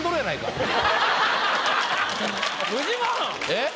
えっ？